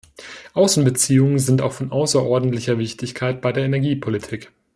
Außenbeziehungen sind auch von außerordentlicher Wichtigkeit bei der Energiepolitik.